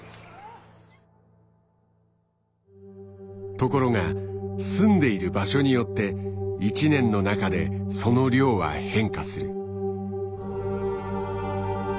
ところが住んでいる場所によって１年の中でその量は変化する。